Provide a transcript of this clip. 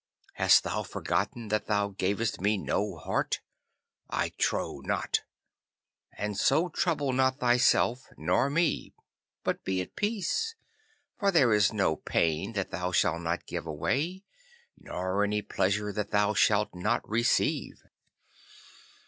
Hast thou forgotten that thou gavest me no heart? I trow not. And so trouble not thyself nor me, but be at peace, for there is no pain that thou shalt not give away, nor any pleasure that thou shalt not receive.